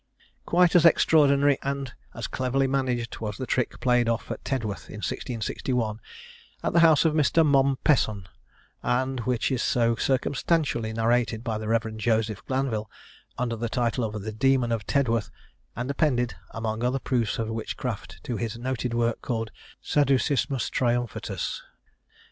Quite as extraordinary and as cleverly managed was the trick played off at Tedworth, in 1661, at the house of Mr. Mompesson, and which is so circumstantially narrated by the Rev. Joseph Glanvil, under the title of "The Demon of Tedworth," and appended, among other proofs of witchcraft, to his noted work, called "Sadducismus Triumphatus."